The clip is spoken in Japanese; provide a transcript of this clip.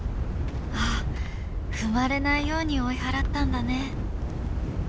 あ踏まれないように追い払ったんだね。